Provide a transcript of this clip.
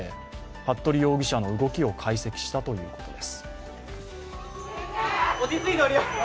服部容疑者の動きを解析したということです。